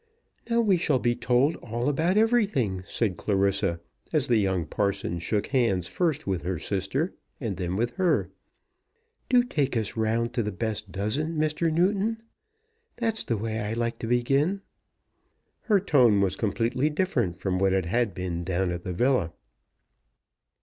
"Now we shall be told all about everything," said Clarissa, as the young parson shook hands first with her sister and then with her. "Do take us round to the best dozen, Mr. Newton. That's the way I like to begin." Her tone was completely different from what it had been down at the villa.